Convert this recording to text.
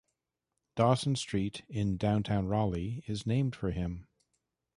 Dawson Street in downtown Raleigh is named for him.